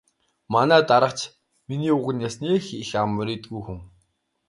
Манай дарга ч миний үгнээс нэг их ам мурийдаггүй хүн.